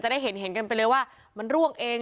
ได้เห็นกันไปเลยว่ามันร่วงเอง